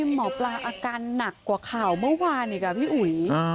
หมอปลาอาการหนักกว่าข่าวเมื่อวานอีกพี่อุ๋ย